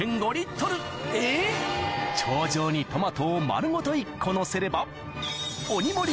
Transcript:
頂上にトマトを丸ごと１個のせれば鬼盛り